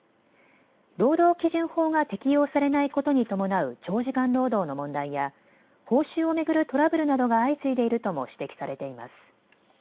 労働基準法が適用されないことに伴う長時間労働の問題や報酬を巡るトラブルなどが相次いでいるとも指摘されています。